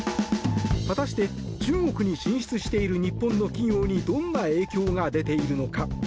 果たして、中国に進出している日本の企業にどんな影響が出ているのか。